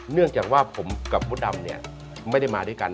เนื่องจากว่าผมกับมดดำเนี่ยไม่ได้มาด้วยกัน